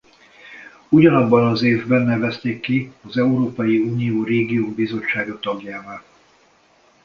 Ugyanabban az évben nevezték ki az Európai Unió Régiók Bizottsága tagjává.